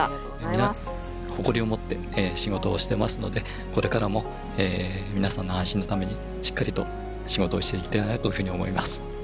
皆誇りを持って仕事をしてますのでこれからも皆さんの安心のためにしっかりと仕事をしていきたいなというふうに思います。